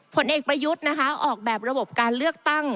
ผลเอกประยุทธ์นะคะออกแบบระบบการเลือกตั้ง